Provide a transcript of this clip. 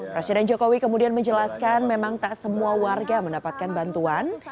presiden jokowi kemudian menjelaskan memang tak semua warga mendapatkan bantuan